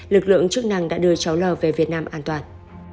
lực lượng chức năng đã đưa cháu lò về việt nam an toàn